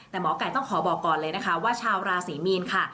แต่หมอไก่ต้องขอบอกก่อนเลยนะคะว่าชาวราศรีมีนค่ะ